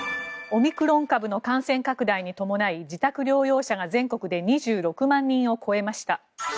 オミクロン株の感染拡大に伴い自宅療養者が全国で２６万人を超えました。